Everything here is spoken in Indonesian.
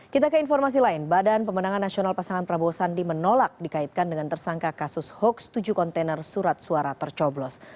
kita ke informasi lain badan pemenangan nasional pasangan prabowo sandi menolak dikaitkan dengan tersangka kasus hoax tujuh kontainer surat suara tercoblos